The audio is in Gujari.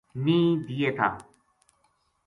نیہہ دیے تھا